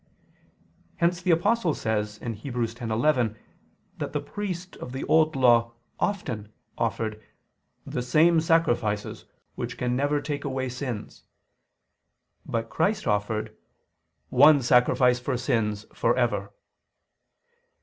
Hence the Apostle says (Heb. 10:11) that the priest of the Old Law "often" offered "the same sacrifices, which can never take away sins: but" Christ offered "one sacrifice for sins, for ever."